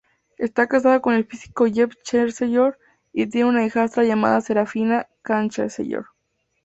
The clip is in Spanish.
Está casada con el físico Jeff Chancellor, y tiene una hijastra llamada Serafina Chancellor.